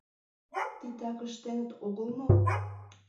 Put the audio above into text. ТИТАК ЫШТЕНЫТ ОГЫЛ МО?